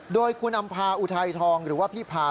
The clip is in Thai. โดยคุณอำภาอุทัยทองหรือว่าพี่พา